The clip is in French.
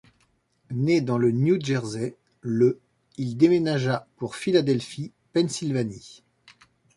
Né dans le New Jersey le il déménagea pour Philadelphie, Pennsylvanie.